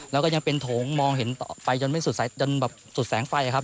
แล้วก็ยังเป็นโถงมองเห็นไปจนไม่สุดแสงไฟครับ